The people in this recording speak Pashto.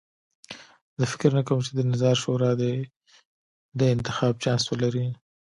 زه فکر نه کوم چې د نظار شورا دې د انتخاب چانس ولري.